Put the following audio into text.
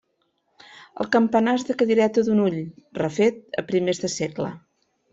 El campanar és de cadireta d'un ull, refet a primers de segle.